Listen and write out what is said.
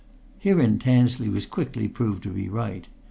Herein Tansley was quickly proved to be right.